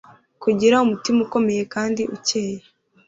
kugira umutima ukomeye kandi ukeye